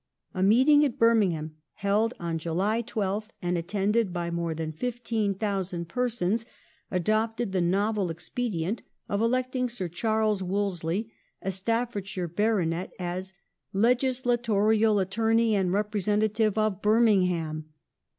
A meeting at Birmingham held on eJuly 12th and attended by more than 15,000 persons adopted the novel expedient of electing Sir Charles Wolseley, a Staffordshire Baronet, as " legislatorial attorney and representative of Birmingham